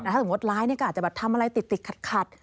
ถ้าสมมุติร้ายก็อาจจะแบบทำอะไรติดขัด